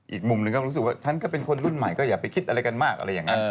อีกมุมหนึ่งก็รู้สึกว่าฉันก็เป็นคนรุ่นใหม่ก็อย่าไปคิดอะไรกันมากอะไรอย่างนั้น